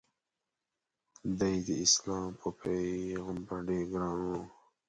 د ی داسلام په پیغمبر ډېر ګران و.